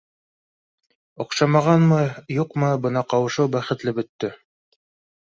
— Оҡшамағанмы, юҡмы, бына ҡауышыу бәхетле бөттө